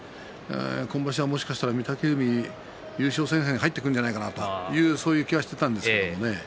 今場所は、もしかしたら御嶽海優勝戦線に入ってくるんじゃないかなという気はしていたんですけれどね。